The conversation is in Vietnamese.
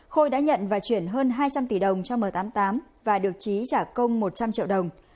khôi đã nhận và chuyển hơn hai trăm linh tỷ đồng cho m tám mươi tám và được trí trả công một trăm linh triệu đồng